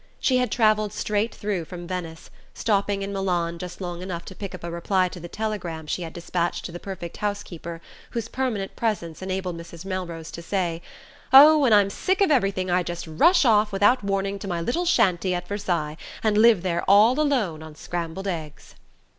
She had travelled straight through from Venice, stopping in Milan just long enough to pick up a reply to the telegram she had despatched to the perfect housekeeper whose permanent presence enabled Mrs. Melrose to say: "Oh, when I'm sick of everything I just rush off without warning to my little shanty at Versailles, and live there all alone on scrambled eggs."